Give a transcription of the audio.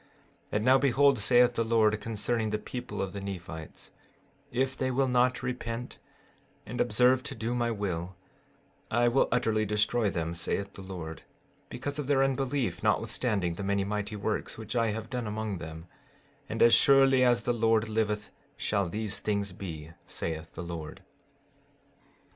15:17 And now behold, saith the Lord, concerning the people of the Nephites: If they will not repent, and observe to do my will, I will utterly destroy them, saith the Lord, because of their unbelief notwithstanding the many mighty works which I have done among them; and as surely as the Lord liveth shall these things be, saith the Lord.